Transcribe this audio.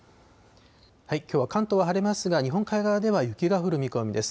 きょうは関東は晴れますが、日本海側では雪が降る見込みです。